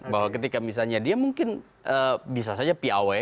bahwa ketika misalnya dia mungkin bisa saja piawai